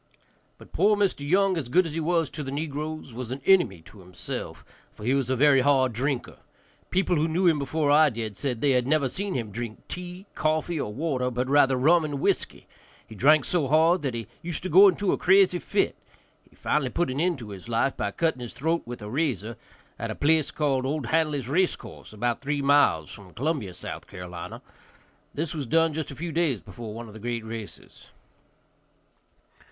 But poor Mr. Young, as good as he was to the negroes, was an enemy to himself, for he was a very hard drinker. People who knew him before I did said they never had seen him drink tea, coffee, or water, but rather rum and whiskey; he drank so hard that he used to go into a crazy fit; he finally put an end to his life by cutting his throat with a razor, at a place called O'Handly's race course, about three miles from Columbia, S.C. This was done just a few days before one of the great races.